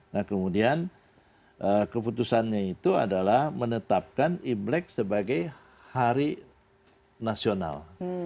nah kemudian keputusannya itu adalah menetapkan imlek sebagai hari nasional